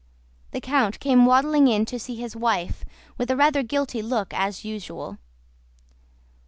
The count came waddling in to see his wife with a rather guilty look as usual.